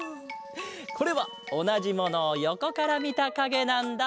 これはおなじものをよこからみたかげなんだ！